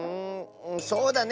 そうだね。